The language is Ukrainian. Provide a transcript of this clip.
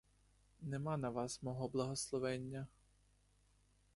Нема на вас мого благословення!